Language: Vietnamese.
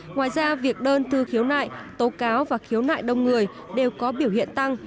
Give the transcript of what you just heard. ngoài ra việc đơn thư khiếu nại tố cáo và khiếu nại đông người đều có biểu hiện tăng